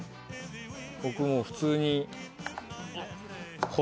僕もう普通に。